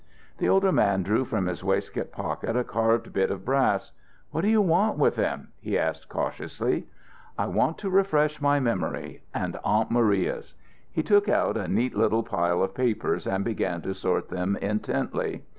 The older man drew from his waistcoat pocket a carved bit of brass. "What do you want with them?" he asked, cautiously. "I want to refresh my memory and Aunt Maria's." He took out a neat little pile of papers and began to sort them intently.